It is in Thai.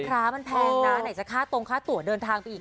ร้านมันแพงนะไหนจะค่าตรงค่าตัวเดินทางไปอีก